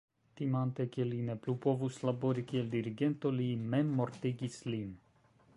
Timante ke li ne plu povus labori kiel dirigento li memmortigis lin.